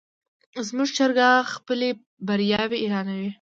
زموږ چرګه خپلې بریاوې اعلانوي.